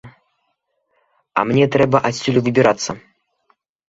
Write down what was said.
А мне трэба адсюль выбірацца.